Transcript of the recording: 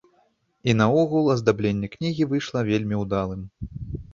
І наогул аздабленне кнігі выйшла вельмі ўдалым.